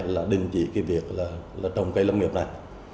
là đình chỉ cái việc là trồng cây lâm nghiệp này